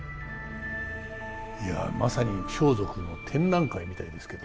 いやまさに装束の展覧会みたいですけど。